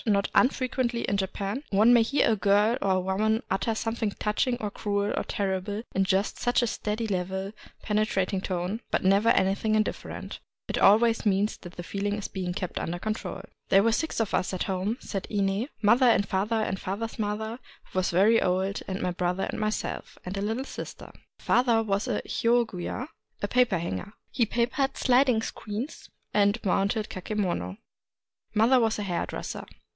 Not unfrequently in Japan one may hear a girl or a woman utter something touching or cruel or terrible in just such a steady, level, penetrating tone, but never anything indifferent. It always means that feeling is being kept under control. " There were six of us at home," said Ine, —" mother and father and father's mother, who NINGYO NO HAKA 125 was very old, and my brother and myself, and a little sister. Father was a hydguya^ a paper hanger: he papered sliding screens and also mounted kakemono. Mother was a hair dresser.